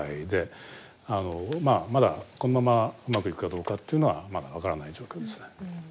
まあまだこのままうまくいくかどうかっていうのはまだ分からない状況ですね。